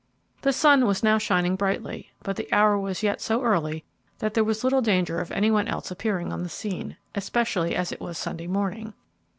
The sun was now shining brightly, but the hour was yet so early that there was little danger of any one else appearing on the scene, especially as it was Sunday morning.